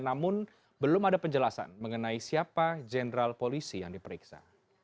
namun belum ada penjelasan mengenai siapa jenderal polisi yang diperiksa